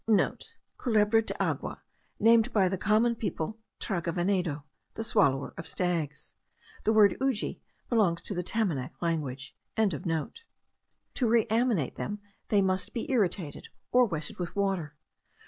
(* Culebra de agua, named by the common people traga venado, the swallower of stags. The word uji belongs to the Tamanac language.) To reanimate them, they must be irritated, or wetted with water.